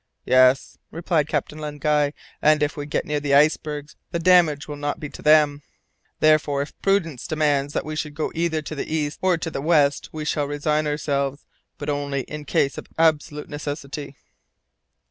"Yes," replied Captain Len Guy, "and if we get near the icebergs the damage will not be to them. Therefore, if prudence demands that we should go either to the east or to the west, we shall resign ourselves, but only in case of absolute necessity."